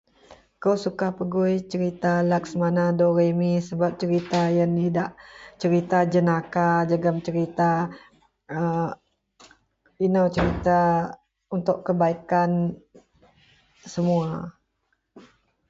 Ako suka pegui serita laksamana do re mi sebab serita yen idak serita jenaka jegum serita a ino serita untuk kebaikan semua.